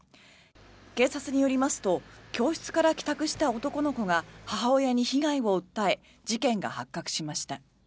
警察によりますと教室から帰宅した男の子が母親に被害を訴え事件が発覚しました。